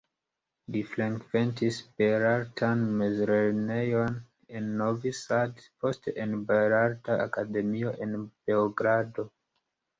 Li frekventis belartan mezlernejon en Novi Sad, poste en Belarta Akademio en Beogrado.